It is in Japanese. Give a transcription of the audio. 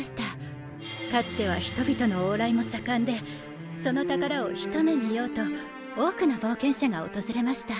かつては人々の往来も盛んでその宝を一目見ようと多くの冒険者が訪れました。